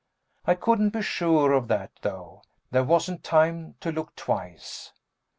I couldn't be sure of that, though. There wasn't time to look twice.